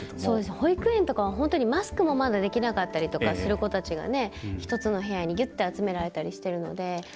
保育園とかは本当にマスクもまだできなかったりする子たちが１つの部屋にぎゅって集められたりしてるので。